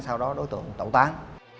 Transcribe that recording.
sau đó đối tượng tẩu tán